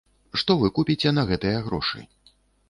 Што вы купіце на гэтыя грошы?